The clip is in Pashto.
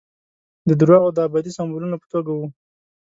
د درواغو د ابدي سمبولونو په توګه وو.